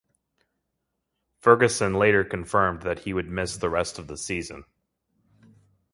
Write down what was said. Ferguson later confirmed that he would miss the rest of the season.